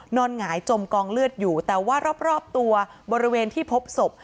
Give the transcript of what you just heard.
หงายจมกองเลือดอยู่แต่ว่ารอบตัวบริเวณที่พบศพ